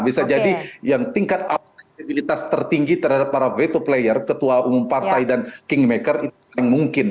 bisa jadi yang tingkat abstabilitas tertinggi terhadap para veto player ketua umum partai dan kingmaker itu paling mungkin